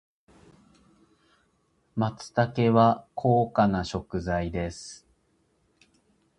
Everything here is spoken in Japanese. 松茸は高価な食材です。